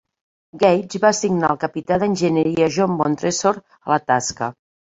Gage va assignar el capità d'Enginyeria John Montresor a la tasca.